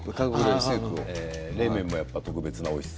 冷麺も特別なおいしさ。